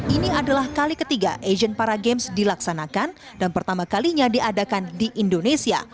ini adalah kali ketiga asean paragames dilaksanakan dan pertama kalinya diadakan di indonesia